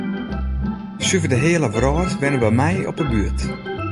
Suver de heale wrâld wennet by my op ’e buert.